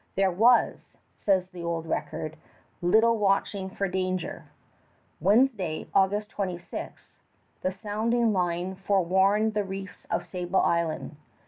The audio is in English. "There was," says the old record, "little watching for danger." Wednesday, August 26, the sounding line forewarned the reefs of Sable Island.